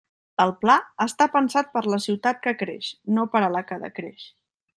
El pla està pensat per a la ciutat que creix, no per a la que decreix.